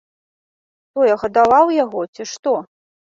Што я гадаваў яго, ці што?